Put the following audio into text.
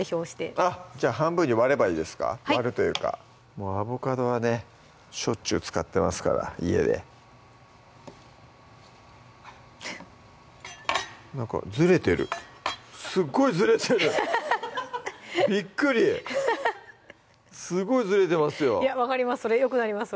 もうアボカドはねしょっちゅう使ってますから家でなんかずれてるすっごいずれてるびっくりすごいずれてますよいや分かりますそれよくなります